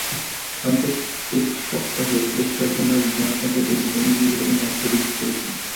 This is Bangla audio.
সাম্প্রতিক সপ্তাহে বেশ কয়েকজন নারী ডোনাল্ড ট্রাম্পের বিরুদ্ধে যৌন নিপীড়নের অভিযোগ তুলেছেন।